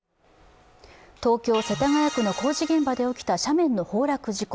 東京・世田谷区の工事現場で起きた斜面の崩落事故。